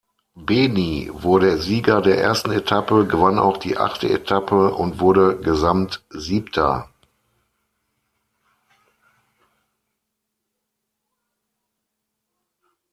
Beni wurde Sieger der ersten Etappe, gewann auch die achte Etappe und wurde Gesamtsiebter.